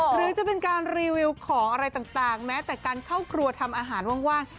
หรือจะเป็นการรีวิวของอะไรต่างแม้แต่การเข้าครัวทำอาหารว่าง